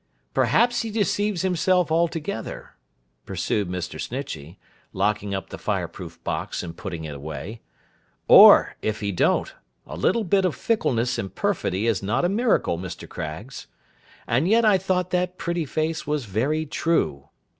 'Perhaps he deceives himself altogether,' pursued Mr. Snitchey, locking up the fireproof box, and putting it away; 'or, if he don't, a little bit of fickleness and perfidy is not a miracle, Mr. Craggs. And yet I thought that pretty face was very true.